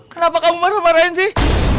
kenapa kamu marah marahin sih